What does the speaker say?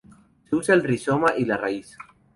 Se usa el rizoma y la raíz.